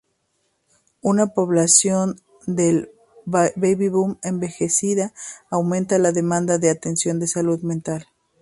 Una población del baby boom envejecida aumenta la demanda de atención de salud mental.